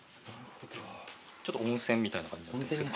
ちょっと温泉みたいな感じになってますけど。